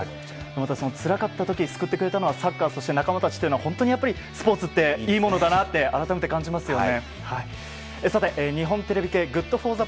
また、つらかった時に救ってくれたのはサッカー、仲間たちというのは本当にスポーツっていいものだなって改めて感じますよね。